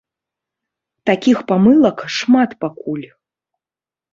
Такіх памылак шмат пакуль.